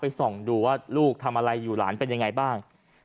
ส่องดูว่าลูกทำอะไรอยู่หลานเป็นยังไงบ้าง